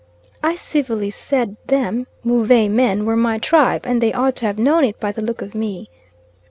I civilly said them Move men were my tribe, and they ought to have known it by the look of me.